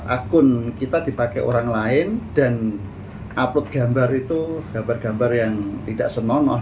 akun kita dipakai orang lain dan upload gambar itu gambar gambar yang tidak senonoh